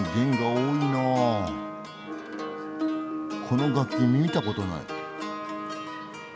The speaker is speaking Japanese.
この楽器見たことない。